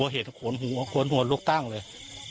เห็นขวนหัวขวนหัวลูกตั้งเลย